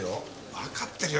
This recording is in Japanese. わかってるよ